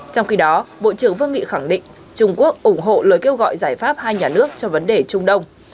trong khi đó bộ trưởng vương nghị khẳng định trung quốc ủng hộ lời kêu gọi giải pháp hai nhà nước cho vấn đề trung đông